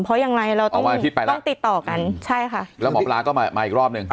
เพราะยังไงเราต้องติดต่อกันใช่ค่ะแล้วหมอปลาก็มามาอีกรอบหนึ่ง